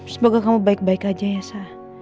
semoga kamu baik baik aja ya sah